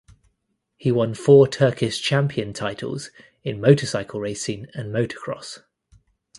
He won four Turkish champion titles in motorcycle racing and motocross.